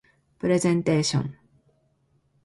プレゼンテーション